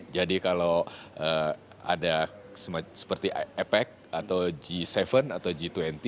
jadi kalau ada seperti apec atau g tujuh atau g dua puluh